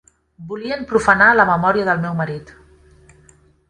Volien profanar la memòria del meu marit.